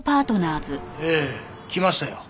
ええ。来ましたよ。